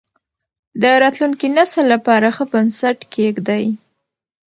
د راتلونکي نسل لپاره ښه بنسټ کېږدئ.